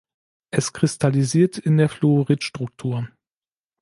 Es kristallisiert in der Fluorit-Struktur.